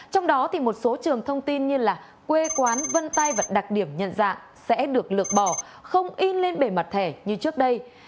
trong đó thì một số trường thông tin như là quê quán vân tay và đặc điểm nhận dạng sẽ được lược bỏ không in lên bề mặt thẻ như trước đây